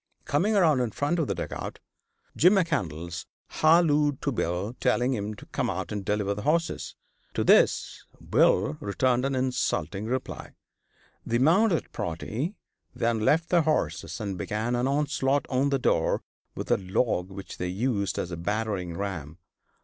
Coming around in front of the dugout, Jim McCandlas hallooed to Bill, telling him to come out and deliver the horses. To this Bill returned an insulting reply. The mounted party then left their horses and began an onslaught on the door with a log which they used as a battering ram.